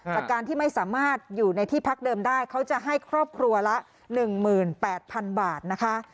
แต่การที่ไม่สามารถอยู่ในที่พักเดิมได้เขาจะให้ครอบครัวละหนึ่งหมื่นแปดพันบาทนะคะ